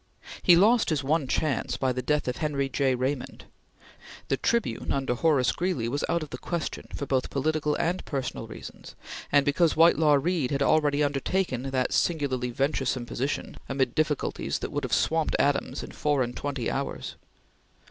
He lost his one chance by the death of Henry J. Raymond. The Tribune under Horace Greeley was out of the question both for political and personal reasons, and because Whitelaw Reid had already undertaken that singularly venturesome position, amid difficulties that would have swamped Adams in four and twenty hours.